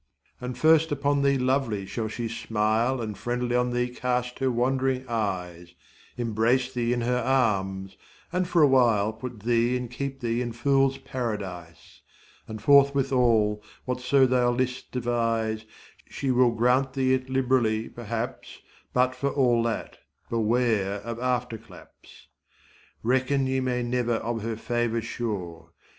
And first upon thee lovely shall she smile And friendly on thee cast her wandering eyes, Embrace thee in her arms, and for a while Put thee and keep thee in fool's paradise; And forthwith all, whatso thou list devise, She will thee grant it liberally perhaps, But for all that, beware of afterclaps.29 Reckon you never of her favour sure.